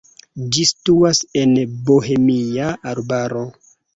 Ĝi situas en Bohemia arbaro.